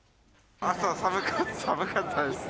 朝、寒かったですね。